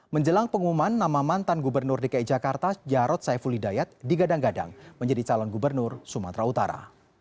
menjelang pengumuman nama mantan gubernur dki jakarta jarod saiful hidayat digadang gadang menjadi calon gubernur sumatera utara